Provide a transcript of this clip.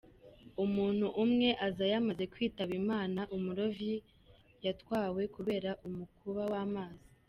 Umuntu umwe aza yamaze kwitaba Imana, umurovyi yatwawe kubera umukuba w’amazi.